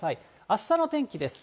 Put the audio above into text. あしたの天気です。